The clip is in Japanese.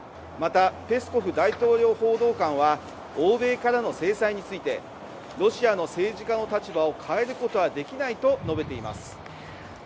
また、ペスコフ大統領報道官は欧米からの制裁についてロシアの政治家の立場を変えることはできないと述べています。